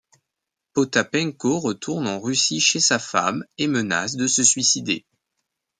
Potapenko retourne en Russie chez sa femme et menace de se suicider.